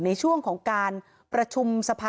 ในช่วงของการประชุมสภา